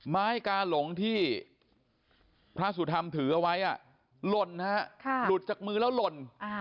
ไม้กาหลงที่พระสุธรรมถือเอาไว้หล่นหลุดจากมือแล้วหล่น